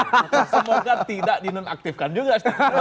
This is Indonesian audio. semoga tidak dinonaktifkan juga